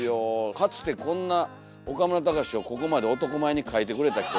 かつてこんな岡村隆史をここまで男前に描いてくれた人。